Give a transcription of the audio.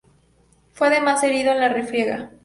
Fue además herido en la refriega.